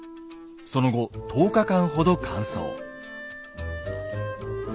その後１０日間ほど乾燥。